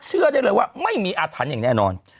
เชื่อได้เลยว่าไม่มีอาธรรณแน่นอน